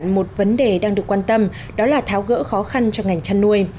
một vấn đề đang được quan tâm đó là tháo gỡ khó khăn cho ngành chăn nuôi